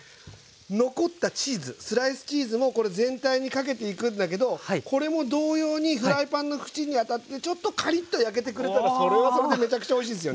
残ったチーズスライスチーズもこれ全体にかけていくんだけどこれも同様にフライパンの縁に当たってちょっとカリッと焼けてくれたらそれはそれでめちゃくちゃおいしいですよね。